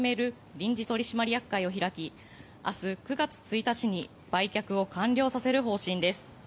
臨時取締役会を開き明日９月１日に売却を完了させる方針です。